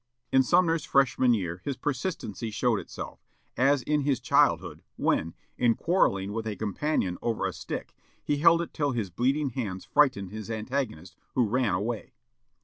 In Sumner's freshman year his persistency showed itself, as in his childhood, when, in quarrelling with a companion over a stick, he held it till his bleeding hands frightened his antagonist, who ran away.